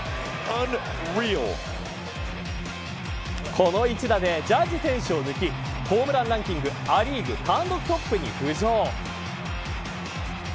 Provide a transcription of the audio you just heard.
この一打でジャッジ選手を抜きホームランランキングア・リーグ単独トップに浮上。